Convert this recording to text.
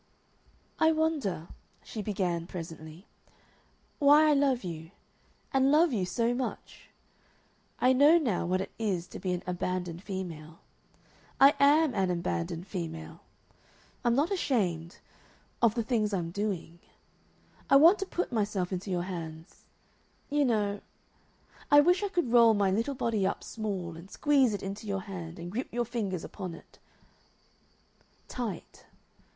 "I wonder," she began, presently, "why I love you and love you so much?... I know now what it is to be an abandoned female. I AM an abandoned female. I'm not ashamed of the things I'm doing. I want to put myself into your hands. You know I wish I could roll my little body up small and squeeze it into your hand and grip your fingers upon it. Tight.